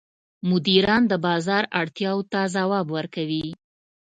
مدیران د بازار اړتیاوو ته ځواب ورکوي.